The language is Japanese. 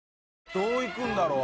どういくんだろう？